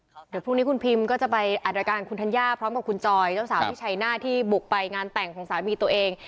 เดี๋ยวพรุ่งนี้คุณพิมก็จะไปอัดรายการคุณธัญญาพร้อมกับคุณจอยเจ้าสาวที่ชัยหน้าที่บุกไปงานแต่งของสามีตัวเอง